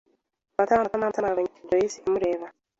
[Matama] [Matama] Matama yabonye Joyci amureba.